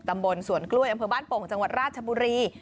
ตำบลสวนกล้วยอำเภอบ้านโป่งจังหวัดราชบุรี